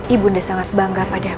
ibu bunda sangat bangga padamu